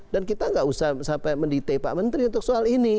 dan kita tidak usah sampai mendite pak menteri untuk soal ini